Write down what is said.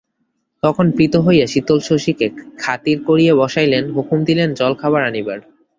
তখন প্রীত হইয়া শীতল শশীকে খাতির করিয়া বসাইলেন, হুকুম দিলেন জলখাবার আনিবার।